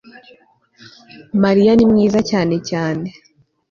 mariya ni mwiza cyane cyane